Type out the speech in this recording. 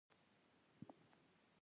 ويل يې چې مړ مې که خو اقرار به ونه کم.